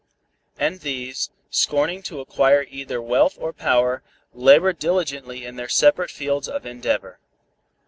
And these, scorning to acquire either wealth or power, labored diligently in their separate fields of endeavor.